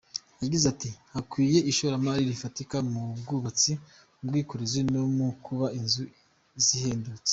Yagize ati “Hakwiye ishoramari rifatika mu bwubatsi, ubwikorezi no mu kubaka inzu zihendutse.